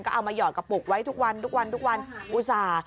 ก็เอามาหยอดกระปุกไว้ทุกวันอุตส่าห์